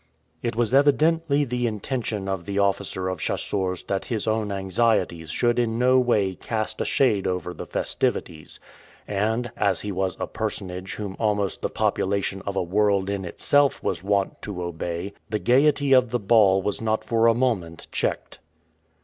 It was evidently the intention of the officer of chasseurs that his own anxieties should in no way cast a shade over the festivities; and, as he was a personage whom almost the population of a world in itself was wont to obey, the gayety of the ball was not for a moment checked.